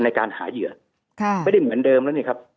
ในการหาเหยื่อไม่ได้เหมือนเดิมแล้วนี่ครับ